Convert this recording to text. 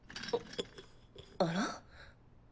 あら？